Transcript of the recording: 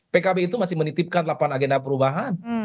pkb itu masih menitipkan delapan agenda perubahan